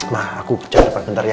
nah aku cari depan sebentar ya